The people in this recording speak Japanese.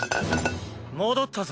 戻ったぞ。